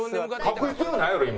描く必要ないやろ今！